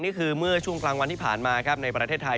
นี่คือเมื่อช่วงกลางวันที่ผ่านมาครับในประเทศไทย